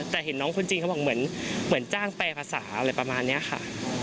แต่เห็นน้องคนจีนเขาบอกเหมือนจ้างแปลภาษาอะไรประมาณนี้ค่ะ